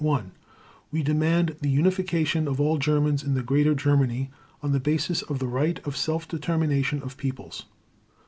_ We demand the unification of all Germans in the Greater Germany, on the basis of the right of self determination of peoples.